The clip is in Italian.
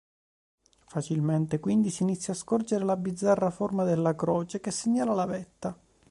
Facilmente quindi si inizia scorgere la bizzarra forma della croce che segnala la vetta.